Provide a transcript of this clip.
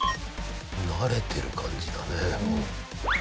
慣れてる感じだねもう。